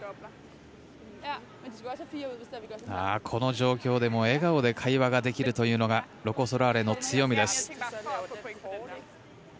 この状況でも笑顔で会話ができるというのがロコ・ソラーレの強みです。